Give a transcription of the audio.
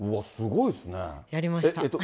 やりました。